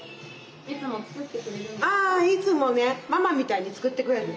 いつもねママみたいに作ってくれる。